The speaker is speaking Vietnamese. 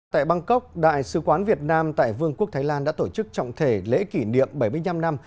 tại bangkok đại sứ quán việt nam tại vương quốc thái lan đã tổ chức trọng thể lễ kỷ niệm bảy mươi năm năm